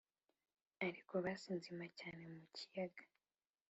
ariko bass nzima cyane mu kiyaga!